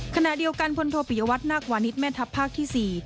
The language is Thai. ขณะเดียวกันพลโทปิยวัตนาควานิสแม่ทัพภาคที่๔